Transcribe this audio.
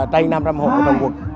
trên năm trăm linh hồn trồng quật